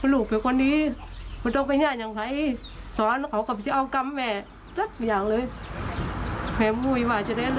หนีอยู่บ้างใครเคยเป็นหมอบตัว